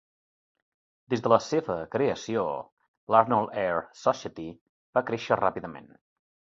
Des de la seva creació, l'Arnold Air Society va créixer ràpidament.